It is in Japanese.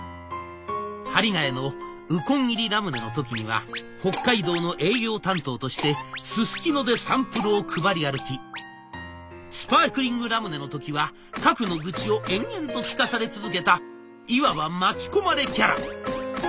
針ヶ谷のウコン入りラムネの時には北海道の営業担当としてススキノでサンプルを配り歩きスパークリングラムネの時は郭の愚痴を延々と聞かされ続けたいわば巻き込まれキャラ。